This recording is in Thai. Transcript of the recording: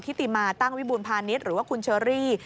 ติมาตั้งวิบูรพาณิชย์หรือว่าคุณเชอรี่